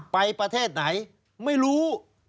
ประเทศไหนไม่รู้